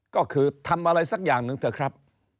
ก็คือทำอะไรสักอย่างหนึ่งเถอะครับ